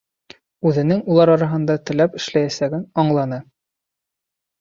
Үҙенең улар араһында теләп эшләйәсәген аңланы.